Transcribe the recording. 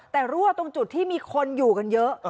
แต่รั่วตรงจุดที่มีคนอยู่กันเยอะ